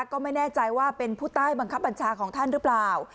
ก็ไม่แน่ใจว่าเป็นผู้ใต้บังคับบัญชาของท่านหรือเปล่า